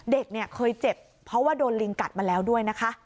เด็กเนี่ยเคยเจ็บเพราะว่าโดนลิงกัดมาแล้วด้วยนะคะ